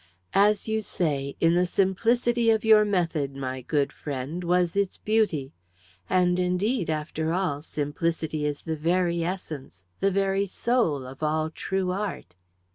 "As you say, in the simplicity of your method, my good friend, was its beauty. And indeed, after all, simplicity is the very essence, the very soul, of all true art eh?"